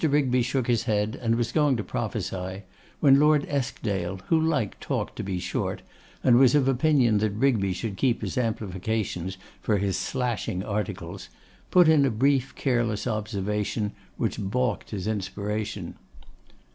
Rigby shook his head and was going to prophesy, when Lord Eskdale, who liked talk to be short, and was of opinion that Rigby should keep his amplifications for his slashing articles, put in a brief careless observation, which balked his inspiration.